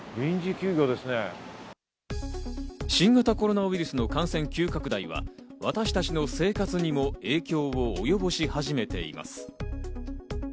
新型コロナウイルスの感染急拡大は私たちの生活にも影響をおよぼし始めています。